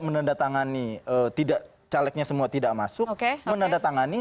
menandatangani tidak calegnya semua tidak masuk menandatangani